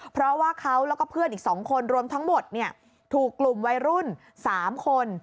เพราะว่าเขาแล้วก็เพื่อนอีก๒คนรวมทั้งหมดถูกกลุ่มวัยรุ่น๓คน